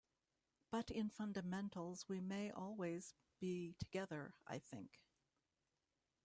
But in fundamentals we may always be together I think.